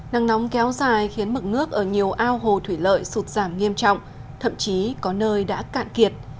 nắng nóng kéo dài khiến mực nước ở nhiều ao hồ thủy lợi sụt giảm nghiêm trọng thậm chí có nơi đã cạn kiệt